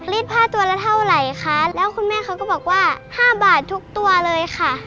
ผ้าตัวละเท่าไหร่คะแล้วคุณแม่เขาก็บอกว่าห้าบาททุกตัวเลยค่ะ